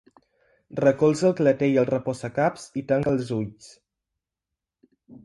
Recolza el clatell al reposacaps i tanca els ulls.